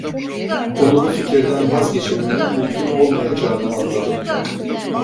Onu bu fikirden vazgeçirmenin mümkün olmayacağını anladım.